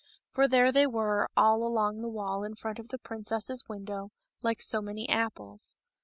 For there they were, all along the wall in front of the princess's window, like so many apples.